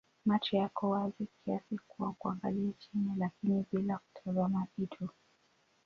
Macho yako wazi kiasi kwa kuangalia chini lakini bila kutazama kitu.